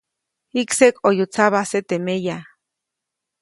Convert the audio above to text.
Jikseʼk ʼoyu tsabajse teʼ meya.